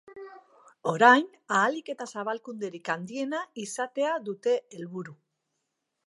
Orain ahalik eta zabalkunderik handiena izatea dute helburu.